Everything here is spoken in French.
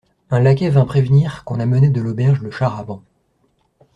Un laquais vint prévenir qu'on amenait de l'auberge le char-à-bancs.